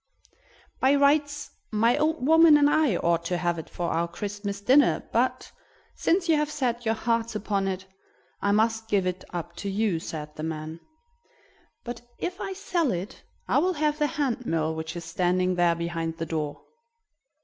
"By rights my old woman and I ought to have it for our Christmas dinner, but, since you have set your hearts upon it, I must just give it up to you," said the man. "But, if I sell it, I will have the hand mill which is standing there behind the door."